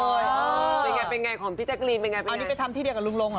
เป็นยังไงเป็นยังไงของพี่แจ๊กรีนเป็นยังไงเป็นยังไงเอานี่ไปทำที่เดียวกับลุงรงเหรอ